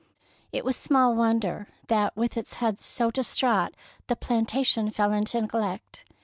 It was small wonder that with its head so distraught the plantation fell into neglect.